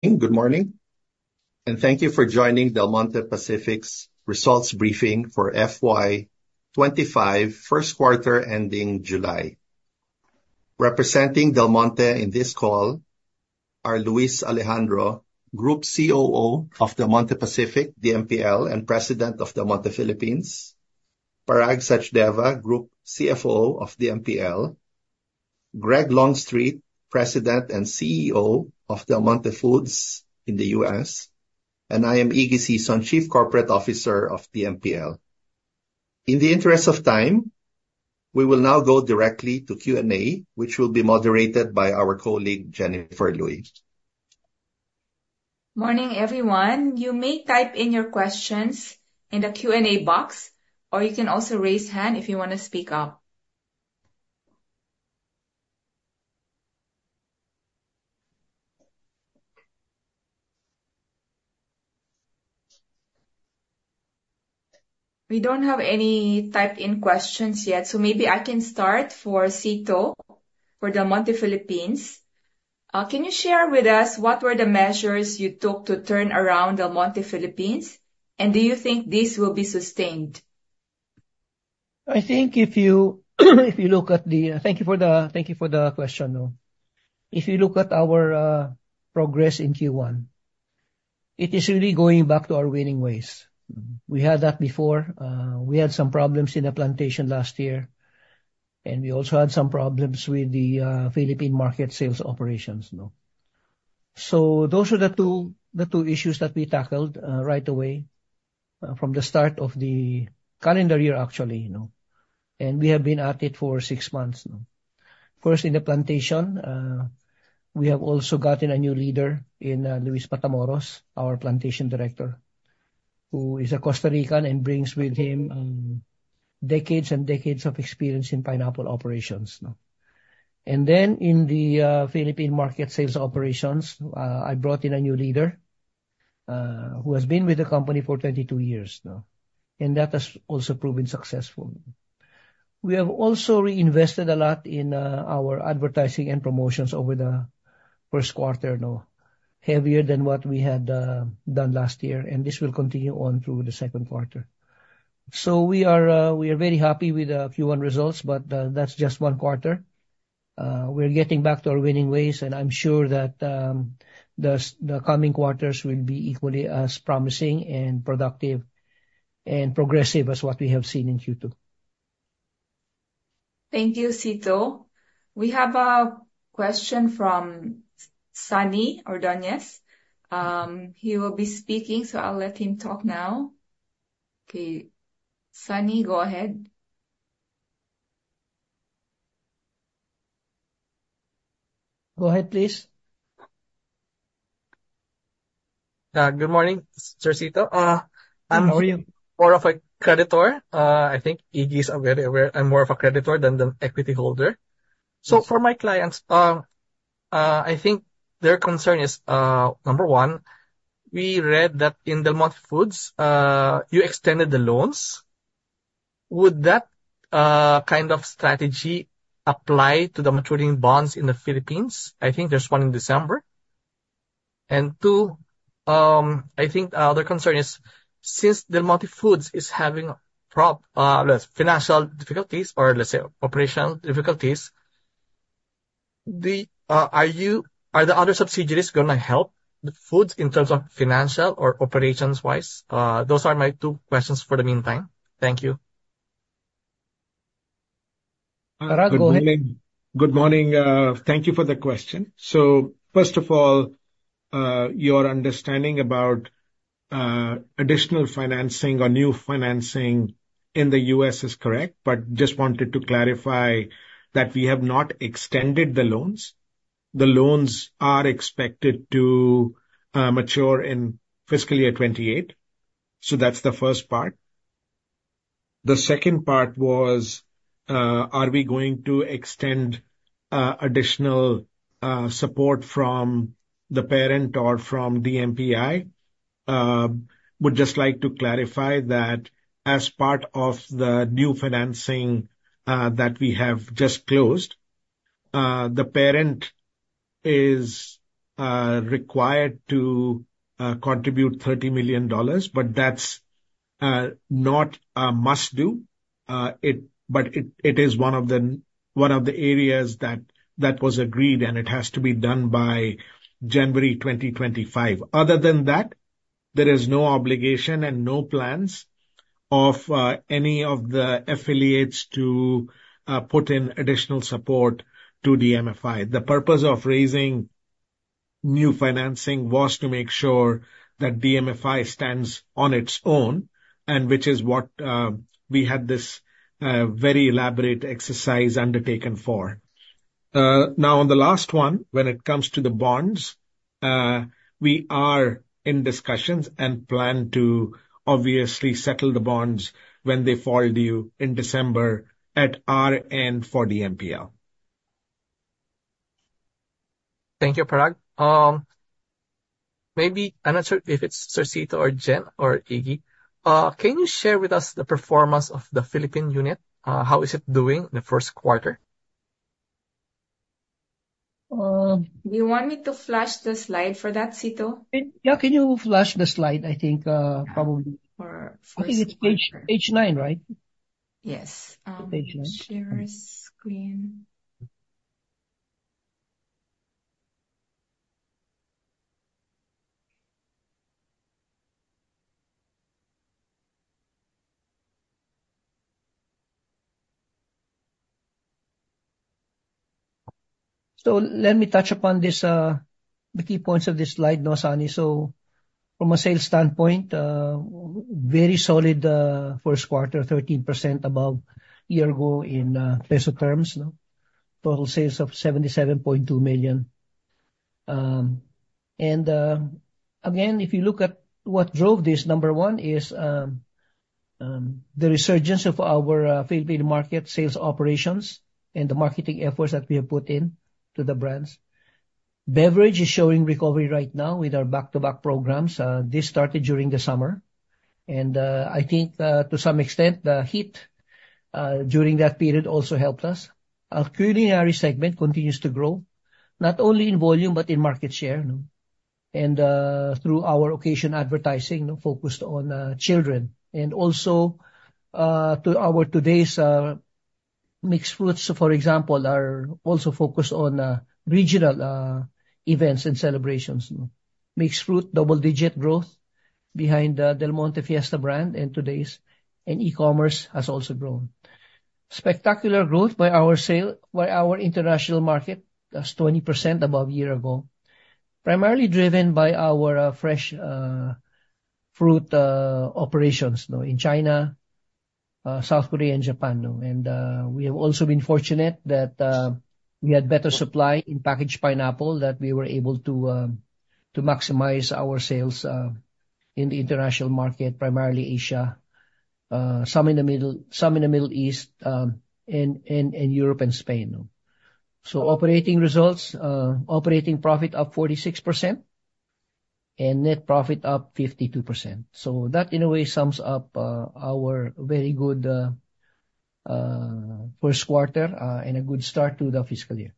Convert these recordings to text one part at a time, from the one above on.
Good morning, and thank you for joining Del Monte Pacific's results briefing for FY 2025, first quarter ending July. Representing Del Monte in this call are Luis Alejandro, Group COO of Del Monte Pacific, DMPL, and President of Del Monte Philippines, Parag Sachdeva, Group CFO of DMPL, Greg Longstreet, President and CEO of Del Monte Foods in the U.S., and I am Iggy Sison, Chief Corporate Officer of DMPL. In the interest of time, we will now go directly to Q&A, which will be moderated by our colleague, Jennifer Luy. Morning, everyone. You may type in your questions in the Q&A box, or you can also raise hand if you want to speak up. We don't have any typed in questions yet, so maybe I can start. For Sito, for Del Monte Philippines, can you share with us what were the measures you took to turn around Del Monte Philippines? And do you think this will be sustained? Thank you for the question, though. If you look at our progress in Q1, it is really going back to our winning ways. We had that before. We had some problems in the plantation last year, and we also had some problems with the Philippine market sales operations, no? So those are the two issues that we tackled right away from the start of the calendar year, actually, you know, and we have been at it for six months now. First, in the plantation, we have also gotten a new leader in Luis Matamoros, our plantation director, who is a Costa Rican and brings with him decades and decades of experience in pineapple operations, no? And then, in the Philippine market sales operations, I brought in a new leader, who has been with the company for 22 years now, and that has also proven successful. We have also reinvested a lot in our advertising and promotions over the first quarter, no, heavier than what we had done last year, and this will continue on through the second quarter. So we are very happy with the Q1 results, but that's just one quarter. We're getting back to our winning ways, and I'm sure that the coming quarters will be equally as promising and productive and progressive as what we have seen in Q2. Thank you, Sito. We have a question from Sonny Ordonez. He will be speaking, so I'll let him talk now. Okay, Sonny, go ahead. Go ahead, please. Good morning, Sir Sito. I'm- How are you? I'm more of a creditor. I think Iggy is already aware, I'm more of a creditor than an equity holder. So for my clients, I think their concern is, number one, we read that in Del Monte Foods, you extended the loans. Would that kind of strategy apply to the maturing bonds in the Philippines? I think there's one in December. And two, I think their concern is, since Del Monte Foods is having financial difficulties, or let's say operational difficulties, are the other subsidiaries gonna help the Foods in terms of financial or operations-wise? Those are my two questions for the meantime. Thank you. Parag, go ahead. Good morning. Good morning. Thank you for the question. So first of all, your understanding about additional financing or new financing in the U.S. is correct, but just wanted to clarify that we have not extended the loans. The loans are expected to mature in fiscal year 2028. So that's the first part. The second part was, are we going to extend additional support from the parent or from DMPI? Would just like to clarify that as part of the new financing that we have just closed, the parent is required to contribute $30 million, but that's not a must do. But it is one of the areas that was agreed, and it has to be done by January 2025. Other than that, there is no obligation and no plans of any of the affiliates to put in additional support to DMFI. The purpose of raising new financing was to make sure that DMFI stands on its own, and which is what we had this very elaborate exercise undertaken for. Now, on the last one, when it comes to the bonds, we are in discussions and plan to obviously settle the bonds when they fall due in December at our end for DMPL. Thank you, Parag. Maybe, I'm not sure if it's Sir Sito or Jen or Iggy. Can you share with us the performance of the Philippine unit? How is it doing in the first quarter?... Do you want me to flash the slide for that, Sito? Yeah, can you flash the slide? I think, probably. For first- I think it's page, page nine, right? Yes. Page nine. Share screen. Let me touch upon this, the key points of this slide, now, Sonny. From a sales standpoint, very solid first quarter, 13% above year ago in peso terms, no? Total sales of 77.2 million. And again, if you look at what drove this, number one is the resurgence of our Philippine market sales operations and the marketing efforts that we have put in to the brands. Beverage is showing recovery right now with our back-to-back programs. This started during the summer, and I think, to some extent, the heat during that period also helped us. Our culinary segment continues to grow, not only in volume but in market share, and through our occasion advertising, focused on children. And also to our Today's mixed fruits, for example, are also focused on regional events and celebrations. Mixed fruit double-digit growth behind the Del Monte Fiesta brand, and Today's, and e-commerce has also grown. Spectacular growth by our sales in our international market, that's 20% above year-ago, primarily driven by our fresh fruit operations in China, South Korea, and Japan. We have also been fortunate that we had better supply in packaged pineapple that we were able to to maximize our sales in the international market, primarily Asia, some in the Middle East, and Europe and Spain. So operating results, operating profit up 46% and net profit up 52%. So that, in a way, sums up our very good first quarter, and a good start to the fiscal year.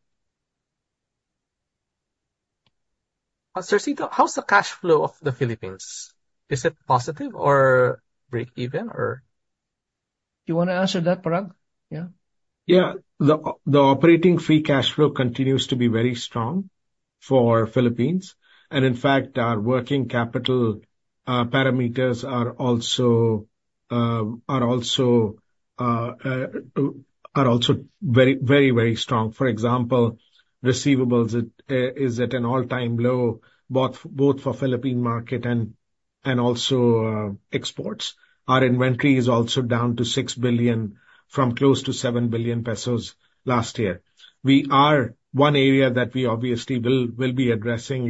Sir Sito, how's the cash flow of the Philippines? Is it positive or breakeven, or? You wanna answer that, Parag? Yeah. Yeah. The operating free cash flow continues to be very strong for Philippines, and in fact, our working capital parameters are also very, very, very strong. For example, receivables is at an all-time low, both for Philippine market and also exports. Our inventory is also down to 6 billion from close to 7 billion pesos last year. One area that we obviously will be addressing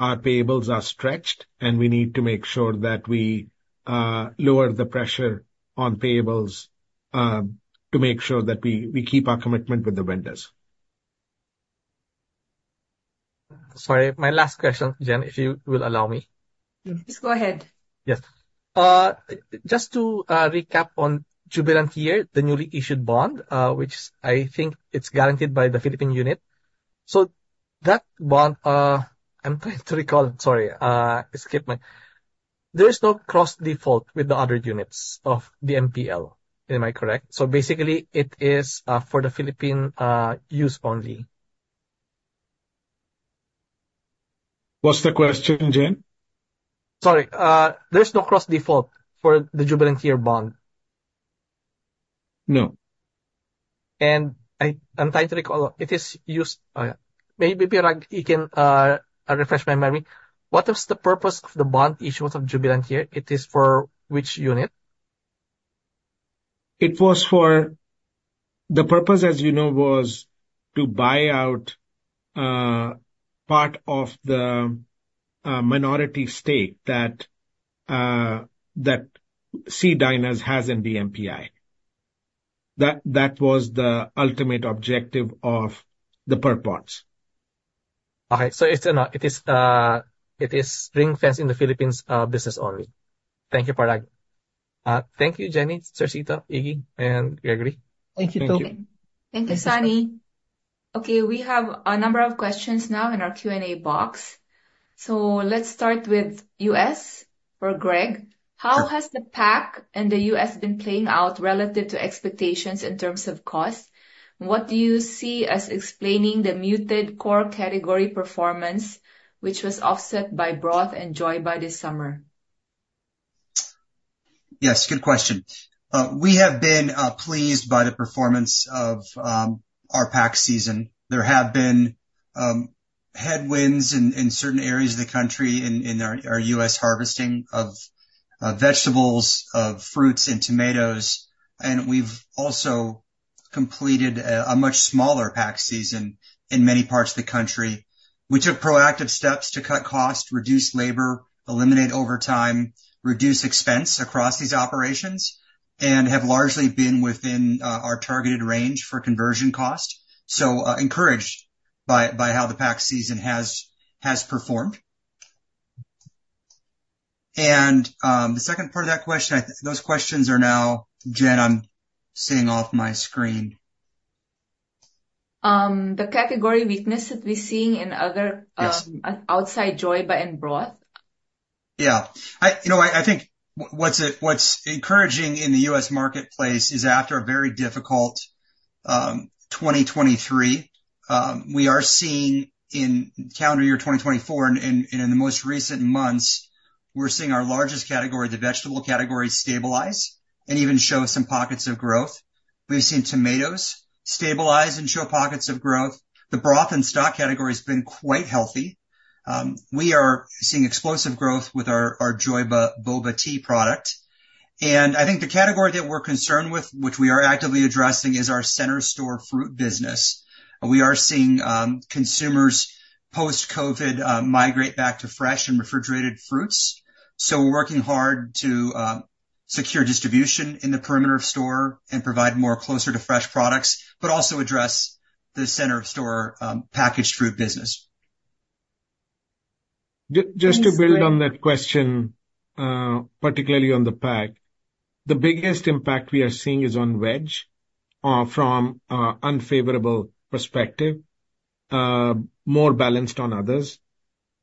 is, our payables are stretched, and we need to make sure that we lower the pressure on payables to make sure that we keep our commitment with the vendors. Sorry, my last question, Jen, if you will allow me? Yes, go ahead. Yes. Just to recap on Jubilant Year, the newly issued bond, which I think it's guaranteed by the Philippine unit. So that bond, I'm trying to recall, sorry. There is no cross default with the other units of the MPL, am I correct? So basically, it is for the Philippine use only. What's the question, Jen? Sorry, there's no cross default for the Jubilant Year bond? No. I'm trying to recall. It is used, maybe, Parag, you can refresh my memory. What was the purpose of the bond issues of Jubilant Year? It is for which unit? It was for the purpose, as you know, was to buy out part of the minority stake that SEA Diner has in DMPI. That was the ultimate objective of the purchase. Okay, so it is ring-fenced in the Philippines, business only. Thank you, Parag. Thank you, Jenny, Sir Sito, Iggy, and Gregory. Thank you, too. Thank you, Sonny. Okay, we have a number of questions now in our Q&A box. So let's start with U.S., for Greg. How has the pack in the U.S. been playing out relative to expectations in terms of cost? What do you see as explaining the muted core category performance, which was offset by broth and Joyba this summer? Yes, good question. We have been pleased by the performance of our pack season. There have been headwinds in certain areas of the country in our U.S. harvesting of vegetables, of fruits and tomatoes, and we've also completed a much smaller pack season in many parts of the country. We took proactive steps to cut costs, reduce labor, eliminate overtime, reduce expense across these operations, and have largely been within our targeted range for conversion cost. So, encouraged by how the pack season has performed. And, the second part of that question, those questions are now, Jen, I'm seeing off my screen. The category weakness that we're seeing in other- Yes. Outside Joyba and broth? Yeah. You know, I think what's encouraging in the U.S. marketplace is after a very difficult 2023, we are seeing in calendar year 2024, and in the most recent months, we're seeing our largest category, the vegetable category, stabilize and even show some pockets of growth. We've seen tomatoes stabilize and show pockets of growth. The broth and stock category has been quite healthy. We are seeing explosive growth with our Joyba Boba tea product. And I think the category that we're concerned with, which we are actively addressing, is our center store fruit business. We are seeing consumers, post-COVID, migrate back to fresh and refrigerated fruits. So we're working hard to secure distribution in the perimeter of store and provide more, closer to fresh products, but also address the center of store packaged fruit business. Just to build on that question, particularly on the pack, the biggest impact we are seeing is on veg from unfavorable perspective, more balanced on others.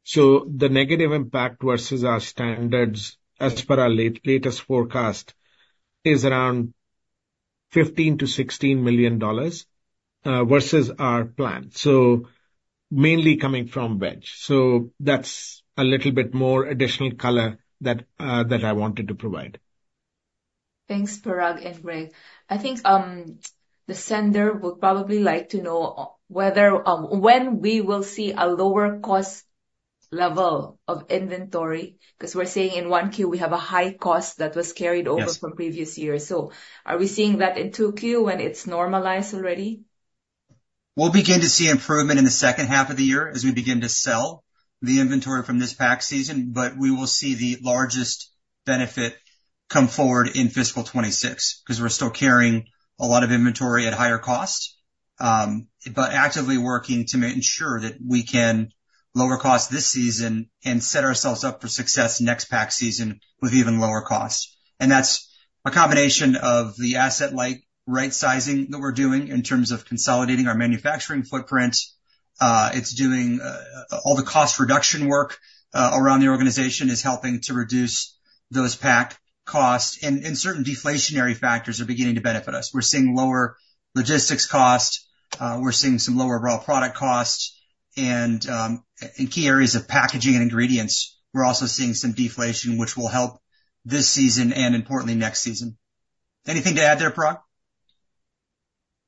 So the negative impact versus our standards, as per our latest forecast, is around $15 million-$16 million versus our plan, so mainly coming from veg. So that's a little bit more additional color that that I wanted to provide. Thanks, Parag and Greg. I think, the sender would probably like to know, whether, when we will see a lower cost level of inventory, 'cause we're seeing in one Q, we have a high cost that was carried over. Yes... from previous years. So are we seeing that in 2Q, when it's normalized already? We'll begin to see improvement in the second half of the year as we begin to sell the inventory from this pack season. But we will see the largest benefit come forward in fiscal 2026, 'cause we're still carrying a lot of inventory at higher costs. But actively working to ensure that we can lower costs this season and set ourselves up for success next pack season with even lower costs. And that's a combination of the asset-light right-sizing that we're doing in terms of consolidating our manufacturing footprint. All the cost reduction work around the organization is helping to reduce those pack costs, and certain deflationary factors are beginning to benefit us. We're seeing lower logistics costs, we're seeing some lower raw product costs, and in key areas of packaging and ingredients, we're also seeing some deflation, which will help this season and importantly, next season. Anything to add there, Parag?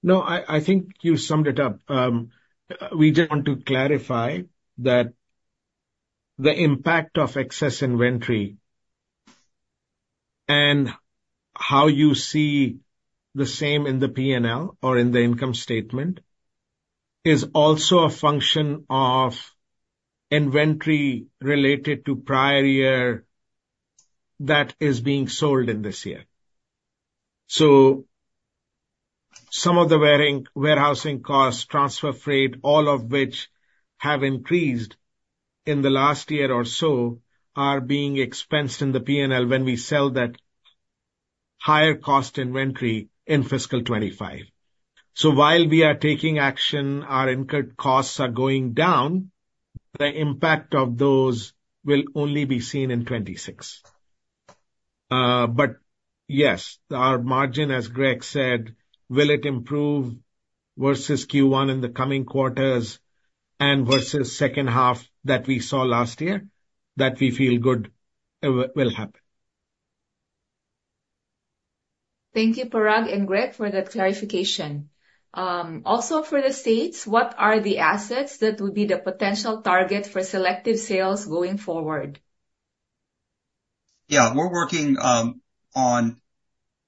No, I, I think you summed it up. We just want to clarify that the impact of excess inventory and how you see the same in the P&L or in the income statement is also a function of inventory related to prior year that is being sold in this year. So some of the warehousing costs, transfer freight, all of which have increased in the last year or so, are being expensed in the P&L when we sell that higher cost inventory in fiscal 2025. So while we are taking action, our incurred costs are going down, the impact of those will only be seen in 2026. But yes, our margin, as Greg said, will it improve versus Q1 in the coming quarters and versus second half that we saw last year? That we feel good will happen. Thank you, Parag and Greg, for that clarification. Also for the States, what are the assets that would be the potential target for selective sales going forward? Yeah. We're working on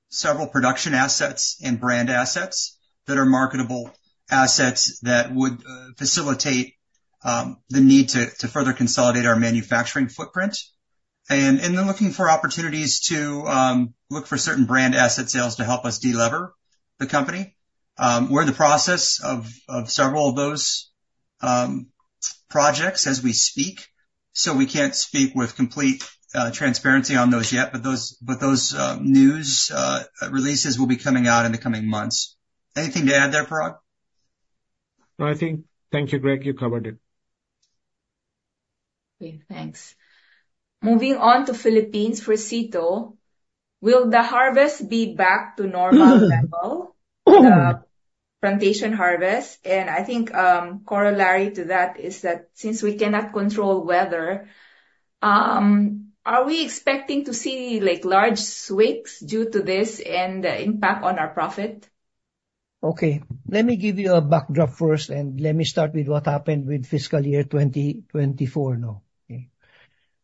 several production assets and brand assets that are marketable assets that would facilitate the need to further consolidate our manufacturing footprint and then looking for opportunities to look for certain brand asset sales to help us de-lever the company. We're in the process of several of those projects as we speak, so we can't speak with complete transparency on those yet, but those news releases will be coming out in the coming months. Anything to add there, Parag? No, I think... Thank you, Greg. You covered it. Okay, thanks. Moving on to Philippines for Sito. Will the harvest be back to normal level? Mm-hmm. The plantation harvest, and I think, corollary to that is that since we cannot control weather, are we expecting to see, like, large swings due to this and the impact on our profit? Okay, let me give you a backdrop first, and let me start with what happened with fiscal year 2024 now.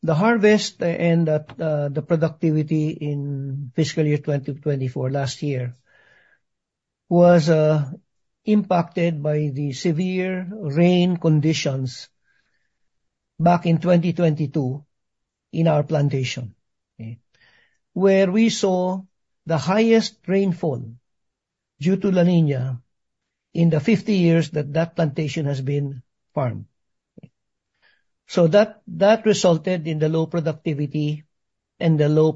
The harvest and the productivity in fiscal year 2024, last year, was impacted by the severe rain conditions back in 2022 in our plantation, okay? Where we saw the highest rainfall due to La Niña, in the fifty years that that plantation has been farmed. So that resulted in the low productivity and the low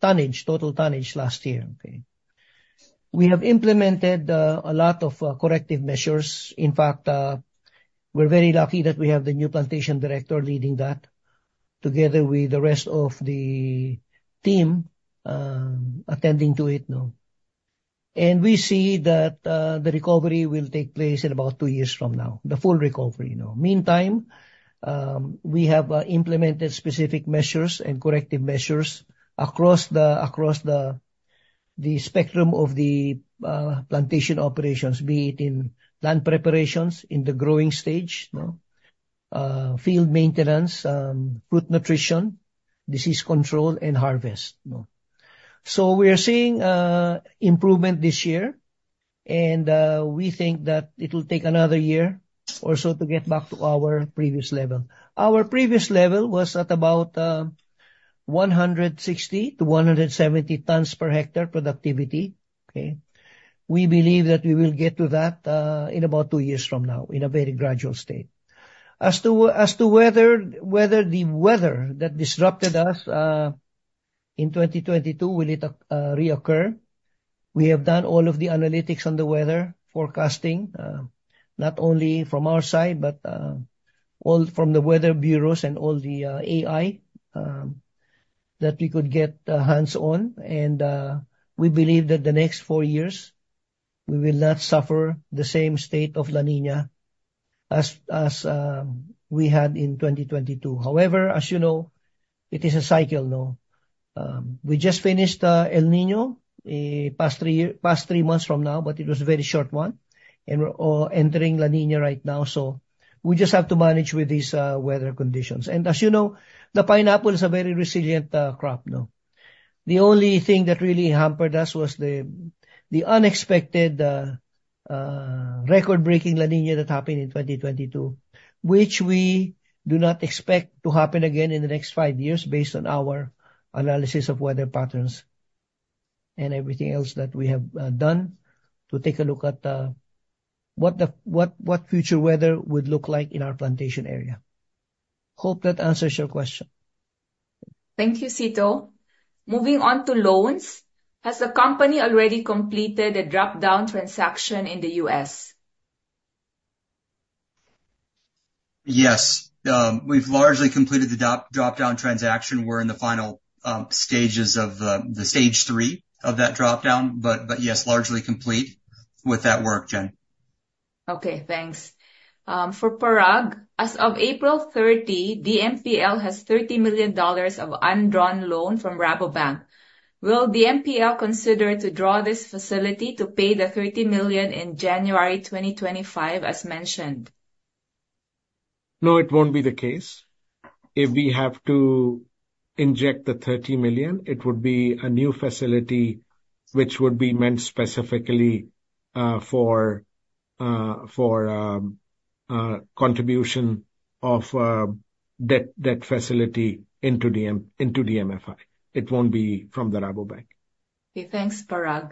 tonnage, total tonnage last year, okay? We have implemented a lot of corrective measures. In fact, we're very lucky that we have the new plantation director leading that, together with the rest of the team, attending to it now. And we see that, the recovery will take place in about two years from now, the full recovery, you know. Meantime, we have implemented specific measures and corrective measures across the spectrum of the plantation operations, be it in land preparations, in the growing stage, no? Field maintenance, fruit nutrition, disease control, and harvest, no. So we are seeing improvement this year, and we think that it'll take another year or so to get back to our previous level. Our previous level was at about 160-170 tons per hectare productivity, okay? We believe that we will get to that in about two years from now, in a very gradual state. As to whether the weather that disrupted us in 2022 will it reoccur? We have done all of the analytics on the weather forecasting, not only from our side, but all from the weather bureaus and all the AI that we could get hands on. We believe that the next four years we will not suffer the same state of La Niña as we had in 2022. However, as you know, it is a cycle, no? We just finished El Niño past three months from now, but it was a very short one, and we're entering La Niña right now. So we just have to manage with these weather conditions. And as you know, the pineapple is a very resilient crop, no? The only thing that really hampered us was the unexpected, record-breaking La Niña that happened in 2022, which we do not expect to happen again in the next five years, based on our analysis of weather patterns and everything else that we have done to take a look at what future weather would look like in our plantation area. Hope that answers your question. Thank you, Sito. Moving on to loans, has the company already completed a drop-down transaction in the U.S.? Yes, we've largely completed the drop-down transaction. We're in the final stages of the stage three of that drop-down, but yes, largely complete with that work, Jen. Okay, thanks. For Parag, as of April 30, DMPL has $30 million of undrawn loan from Rabobank. Will DMPL consider to draw this facility to pay the $30 million in January 2025, as mentioned? No, it won't be the case. If we have to inject the $30 million, it would be a new facility which would be meant specifically for contribution of that facility into DMFI. It won't be from Rabobank. Okay. Thanks, Parag.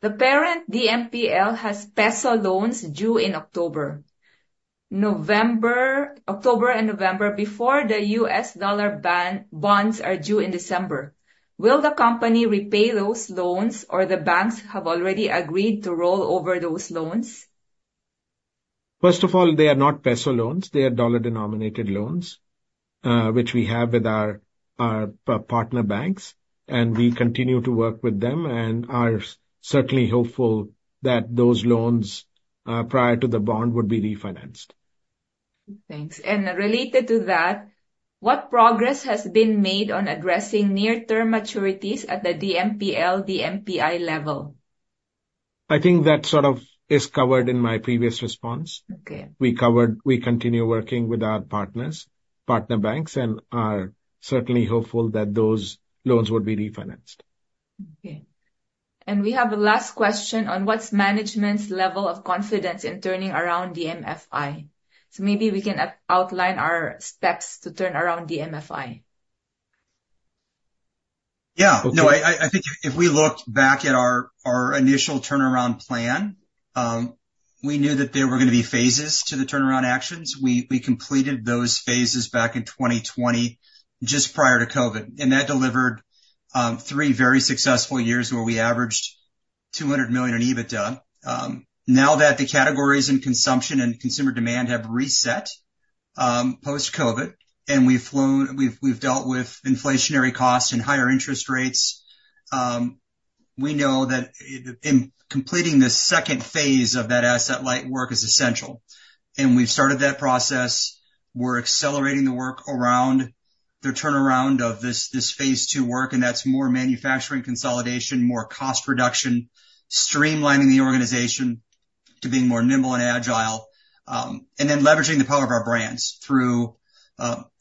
The parent, DMPL, has peso loans due in October and November, before the US dollar bonds are due in December. Will the company repay those loans, or the banks have already agreed to roll over those loans? First of all, they are not peso loans, they are dollar-denominated loans, which we have with our partner banks, and we continue to work with them and are certainly hopeful that those loans, prior to the bond, would be refinanced. Thanks. And related to that, what progress has been made on addressing near-term maturities at the DMPL, DMPI level? I think that sort of is covered in my previous response. Okay. We continue working with our partners, partner banks, and are certainly hopeful that those loans would be refinanced. Okay. And we have a last question on what's management's level of confidence in turning around DMFI? So maybe we can outline our steps to turn around DMFI. Yeah. Okay. No, I think if we looked back at our initial turnaround plan, we knew that there were gonna be phases to the turnaround actions. We completed those phases back in 2020, just prior to COVID, and that delivered three very successful years, where we averaged 200 million in EBITDA. Now that the categories in consumption and consumer demand have reset, post-COVID, and we've dealt with inflationary costs and higher interest rates, we know that in completing this second phase of that asset-light work is essential, and we've started that process. We're accelerating the work around the turnaround of this phase two work, and that's more manufacturing consolidation, more cost reduction, streamlining the organization to being more nimble and agile, and then leveraging the power of our brands through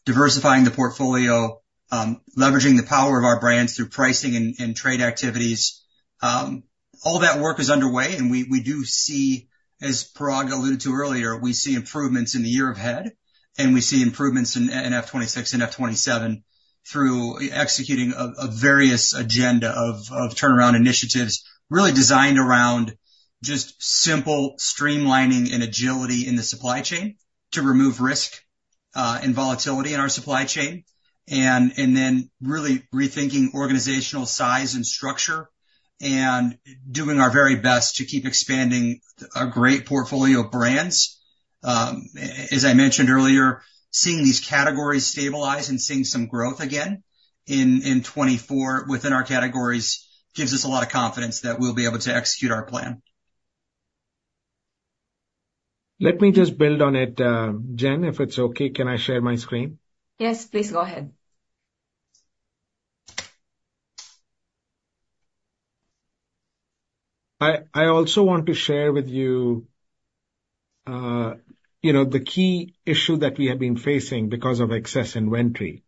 diversifying the portfolio, leveraging the power of our brands through pricing and trade activities. All that work is underway, and we do see, as Parag alluded to earlier, we see improvements in the year ahead, and we see improvements in F 2026 and F 2027 through executing a various agenda of turnaround initiatives, really designed around just simple streamlining and agility in the supply chain, to remove risk and volatility in our supply chain, and then really rethinking organizational size and structure, and doing our very best to keep expanding a great portfolio of brands. As I mentioned earlier, seeing these categories stabilize and seeing some growth again in 2024 within our categories gives us a lot of confidence that we'll be able to execute our plan. Let me just build on it, Jen, if it's okay, can I share my screen? Yes, please go ahead. I also want to share with you, you know, the key issue that we have been facing because of excess inventory,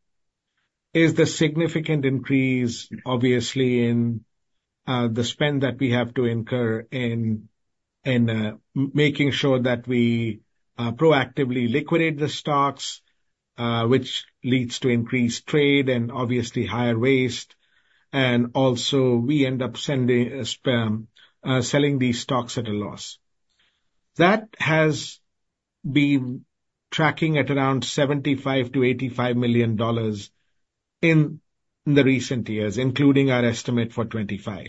is the significant increase, obviously, in the spend that we have to incur in making sure that we proactively liquidate the stocks, which leads to increased trade and obviously higher waste, and also, we end up selling these stocks at a loss. That has been tracking at around $75-$85 million in the recent years, including our estimate for 2025.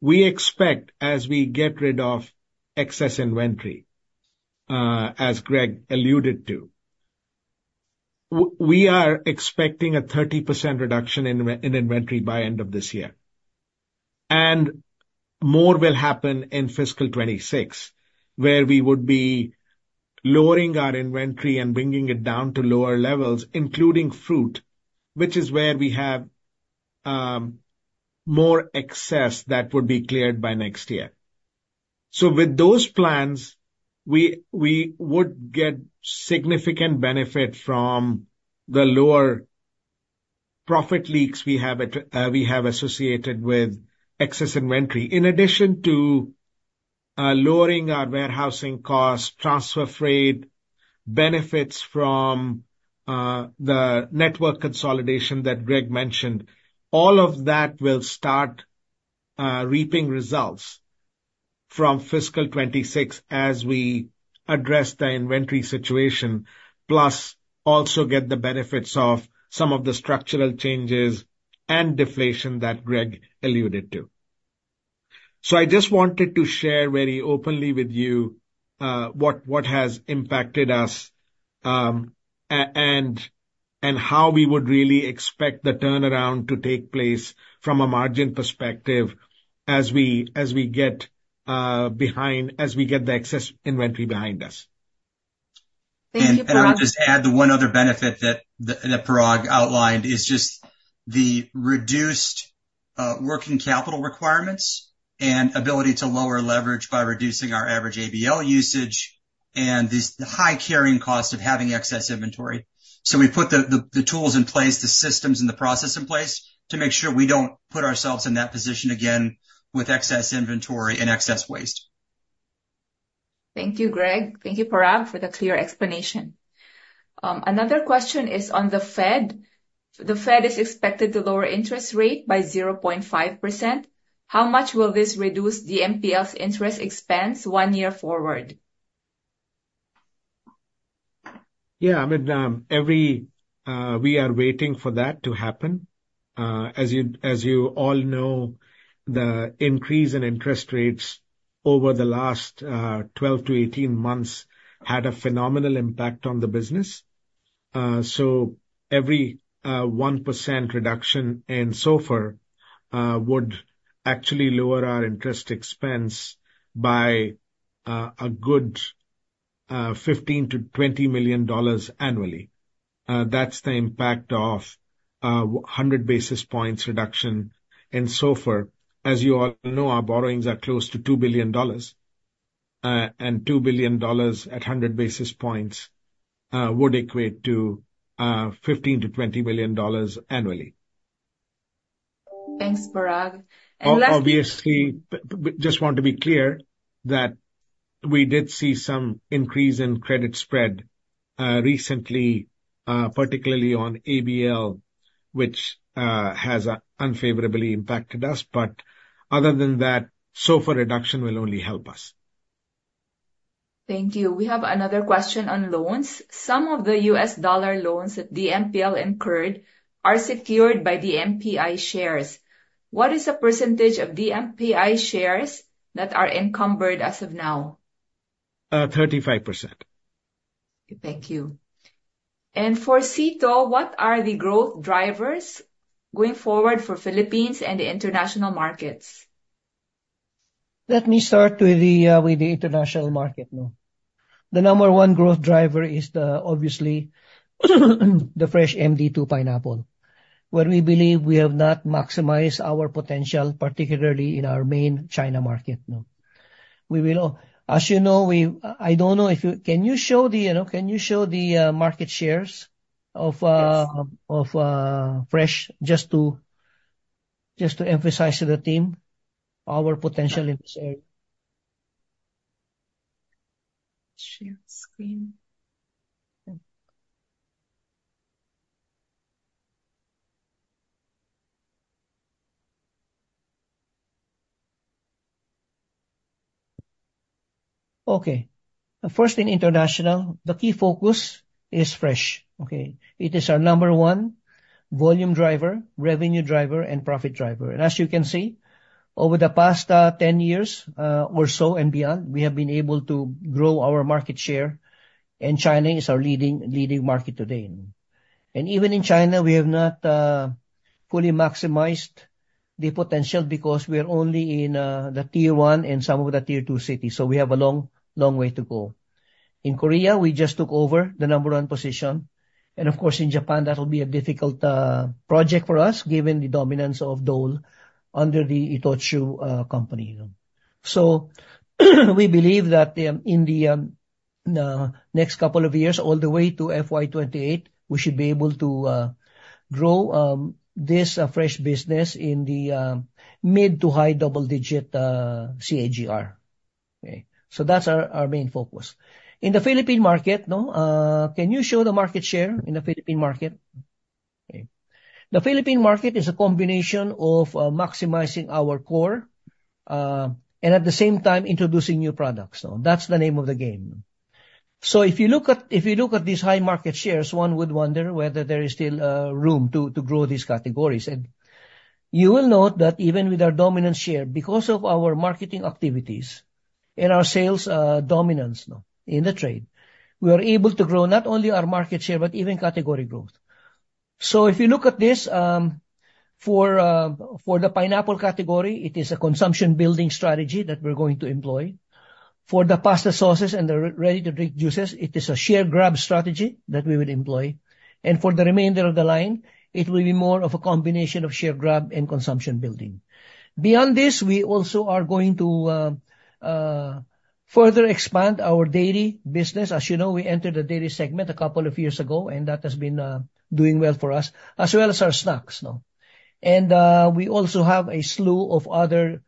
We expect, as we get rid of excess inventory, as Greg alluded to, we are expecting a 30% reduction in inventory by end of this year. More will happen in fiscal 2026, where we would be lowering our inventory and bringing it down to lower levels, including fruit, which is where we have more excess that would be cleared by next year. With those plans, we would get significant benefit from the lower profit leaks we have associated with excess inventory. In addition to lowering our warehousing costs, transfer freight, benefits from the network consolidation that Greg mentioned, all of that will start reaping results from fiscal 2026 as we address the inventory situation, plus also get the benefits of some of the structural changes and deflation that Greg alluded to. So I just wanted to share very openly with you what has impacted us, and how we would really expect the turnaround to take place from a margin perspective as we get the excess inventory behind us. Thank you, Parag. I'll just add the one other benefit that Parag outlined, is just the reduced working capital requirements and ability to lower leverage by reducing our average ABL usage and the high carrying cost of having excess inventory. So we put the tools in place, the systems and the process in place to make sure we don't put ourselves in that position again with excess inventory and excess waste. Thank you, Greg. Thank you, Parag, for the clear explanation. Another question is on the Fed. The Fed is expected to lower interest rate by 0.5%. How much will this reduce DMPL's interest expense one year forward? Yeah, I mean, we are waiting for that to happen. As you all know, the increase in interest rates over the last twelve to eighteen months had a phenomenal impact on the business, so every 1% reduction in SOFR would actually lower our interest expense by a good $15-20 million annually. That's the impact of one hundred basis points reduction in SOFR. As you all know, our borrowings are close to $2 billion, and $2 billion at hundred basis points would equate to $15-20 million annually. Thanks, Parag. And last- Obviously, just want to be clear, that we did see some increase in credit spread recently, particularly on ABL, which has unfavorably impacted us. But other than that, SOFR reduction will only help us. Thank you. We have another question on loans. Some of the U.S. dollar loans that DMPL incurred are secured by DMPI shares. What is the percentage of DMPI shares that are encumbered as of now? 35%. Thank you. For Sito, what are the growth drivers going forward for Philippines and the international markets? Let me start with the international market, no? The number one growth driver is, obviously, the fresh MD2 pineapple, where we believe we have not maximized our potential, particularly in our main China market, no. We will, as you know, I don't know if you can show the, you know, market shares of. Yes. Of fresh, just to emphasize to the team our potential in this area?... Share screen. Okay. First, in international, the key focus is fresh, okay? It is our number one volume driver, revenue driver, and profit driver. And as you can see, over the past, 10 years, or so and beyond, we have been able to grow our market share, and China is our leading, leading market today. And even in China, we have not, fully maximized the potential because we are only in, the Tier One and some of the Tier Two cities, so we have a long, long way to go. In Korea, we just took over the number one position, and of course, in Japan, that will be a difficult, project for us, given the dominance of Dole under the Itochu, company. So, we believe that in the next couple of years, all the way to FY 2028, we should be able to grow this fresh business in the mid- to high double-digit CAGR. Okay? So that's our main focus. In the Philippine market, can you show the market share in the Philippine market? Okay. The Philippine market is a combination of maximizing our core and at the same time introducing new products. So that's the name of the game. So if you look at these high market shares, one would wonder whether there is still room to grow these categories. And you will note that even with our dominant share, because of our marketing activities and our sales dominance in the trade, we are able to grow not only our market share, but even category growth. So if you look at this, for the pineapple category, it is a consumption building strategy that we're going to employ. For the pasta sauces and the ready-to-drink juices, it is a share grab strategy that we would employ. And for the remainder of the line, it will be more of a combination of share grab and consumption building. Beyond this, we also are going to further expand our dairy business. As you know, we entered the dairy segment a couple of years ago, and that has been doing well for us, as well as our snacks. We also have a slew of other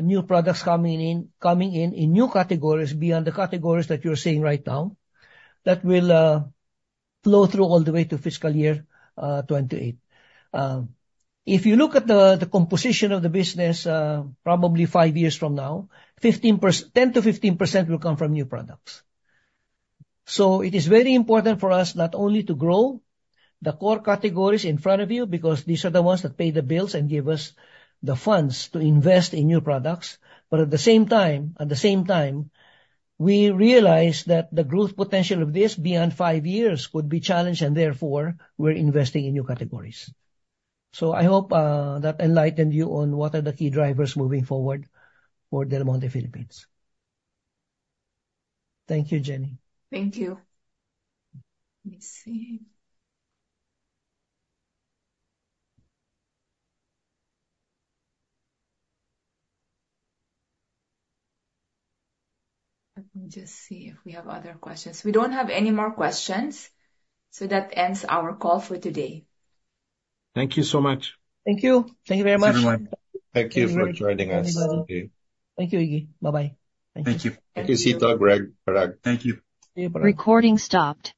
new products coming in in new categories beyond the categories that you're seeing right now, that will flow through all the way to fiscal year 2028. If you look at the composition of the business, probably five years from now, 10%-15% will come from new products. It is very important for us not only to grow the core categories in front of you, because these are the ones that pay the bills and give us the funds to invest in new products, but at the same time, we realize that the growth potential of this beyond five years could be challenged, and therefore, we're investing in new categories. So I hope that enlightened you on what are the key drivers moving forward for Del Monte Philippines. Thank you, Jenny. Thank you. Let me see. Let me just see if we have other questions. We don't have any more questions, so that ends our call for today. Thank you so much. Thank you. Thank you very much. Thank you, everyone. Thank you for joining us. Thank you, Iggy. Bye-bye. Thank you. Thank you, Sito, Greg, Parag. Thank you. Recording stopped.